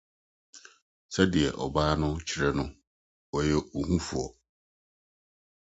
Sɛnea ɔbea no kyerɛ no, ɔyɛ ohufo.